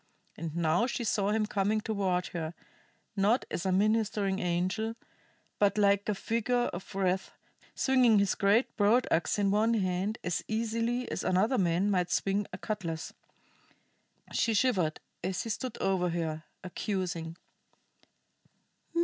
And now she saw him coming toward her, not as a ministering angel, but like a figure of wrath, swinging his great broad ax in one hand as easily as another man might swing a cutlas. She shivered as he stood over her, accusing.